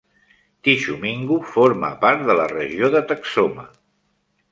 Tishomingo forma part de la regió de Texoma.